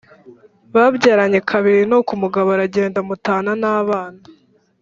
Babyaranye kabiri nuko umugabo aragenda amutana nabana